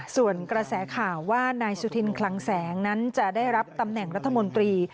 ส่วนกระแสข่าวว่านายสุธินคลังแสงนั้นจะได้รับตำแหน่งรัฐมนตรี